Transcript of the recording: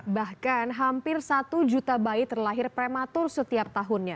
bahkan hampir satu juta bayi terlahir prematur setiap tahunnya